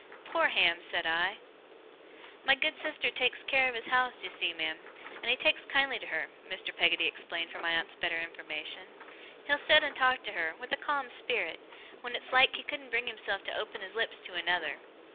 'Poor Ham!' said I. 'My good sister takes care of his house, you see, ma'am, and he takes kindly to her,' Mr. Peggotty explained for my aunt's better information. 'He'll set and talk to her, with a calm spirit, wen it's like he couldn't bring himself to open his lips to another.